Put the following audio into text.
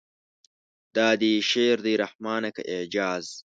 دا دې شعر دی رحمانه که اعجاز.